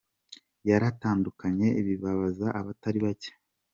yaratandukanye bibabaza abatari bake .